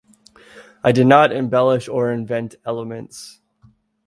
I did not embellish or invent elements.